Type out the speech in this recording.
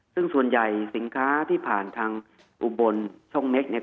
ซึ่งส่วนใหญ่สินค้าที่ผ่านทางอุบลช่องเม็กเนี่ย